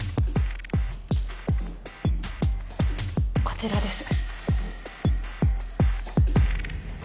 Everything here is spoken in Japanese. こちらです。